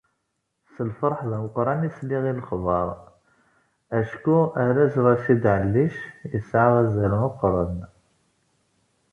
S lferḥ meqqren i sliɣ i lexbar, acku arraz Racid Ɛellic yesɛa azal meqqren.